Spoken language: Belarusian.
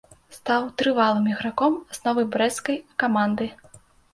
Стаў трывалым іграком асновы брэсцкай каманды.